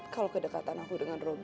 kalau kedekatan aku dengan robb